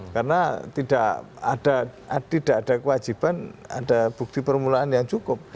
karena tidak ada kewajiban ada bukti permulaan yang cukup